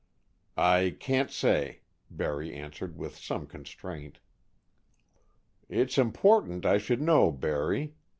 "I can't say," Barry answered, with some constraint. "It's important I should know, Barry.